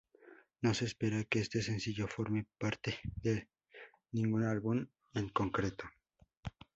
No se espera que este sencillo forme parte de ningún álbum en concreto.